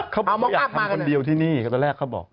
เขาอยากทำคนเดียวที่นี่ตอนแรกเขาบอก